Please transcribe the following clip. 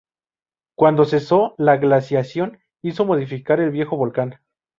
Cuando cesó, la glaciación hizo modificar el viejo volcán.